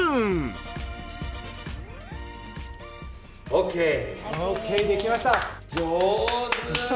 ＯＫ！ＯＫ．できました。